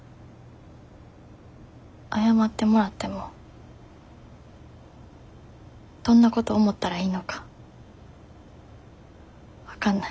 謝ってもらってもどんなこと思ったらいいのか分かんない。